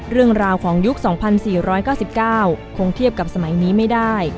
เรื่องราวของยุค๒๔๙๙คงเทียบกับสมัยนี้ไม่ได้